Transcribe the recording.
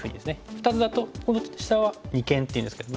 ２つだとこの下は二間っていうんですけどもね。